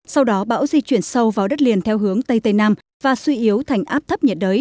sau đó bão di chuyển sâu vào đất liền theo hướng tây tây nam và suy yếu thành áp thấp nhiệt đới